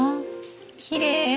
きれい。